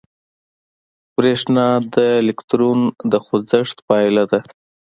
برېښنا د الکترون د خوځښت پایله ده.